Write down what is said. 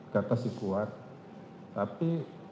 di kuat tapi